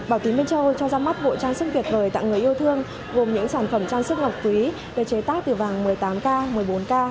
bảo tín minh châu cho ra mắt bộ trang sức tuyệt vời tặng người yêu thương gồm những sản phẩm trang sức ngọc quý được chế tác từ vàng một mươi tám k một mươi bốn k